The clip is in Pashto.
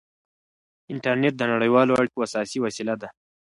انټرنېټ د نړیوالو اړیکو اساسي وسیله ده.